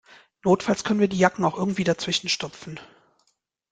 Notfalls können wir die Jacken auch irgendwie dazwischen stopfen.